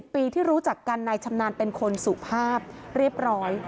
ปีที่รู้จักกันนายชำนาญเป็นคนสุภาพเรียบร้อย